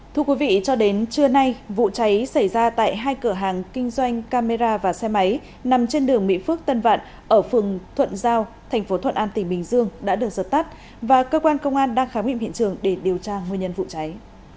thưa quý vị cho đến trưa nay vụ cháy xảy ra tại hai cửa hàng kinh doanh camera và xe máy nằm trên đường mỹ phước tân vạn ở phường thuận giao thành phố thuận an tỉnh bình dương đã được giật tắt và cơ quan công an đang khám nghiệm hiện trường để điều tra nguyên nhân vụ cháy